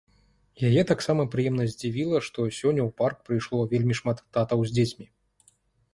Яе таксама прыемна здзівіла, што сёння ў парк прыйшло вельмі шмат татаў з дзецьмі.